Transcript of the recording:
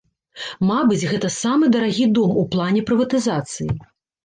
Мабыць, гэта самы дарагі дом у плане прыватызацыі.